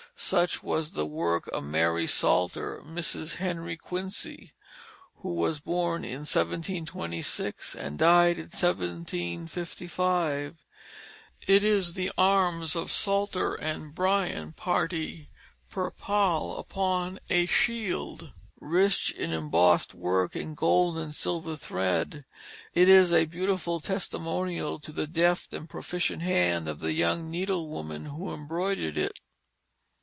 Such was the work of Mary Salter (Mrs. Henry Quincy), who was born in 1726, and died in 1755. It is the arms of Salter and Bryan party per pale upon a shield. Rich in embossed work in gold and silver thread, it is a beautiful testimonial to the deft and proficient hand of the young needlewoman who embroidered it.